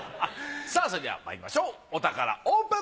さぁそれではまいりましょうお宝オープン。